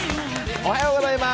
おはようございます。